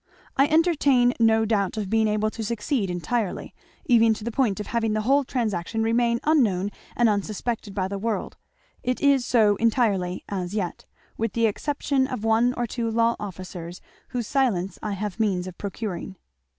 I entertain no doubt of being able to succeed entirely even to the point of having the whole transaction remain unknown and unsuspected by the world. It is so entirely as yet, with the exception of one or two law officers whose silence I have means of procuring.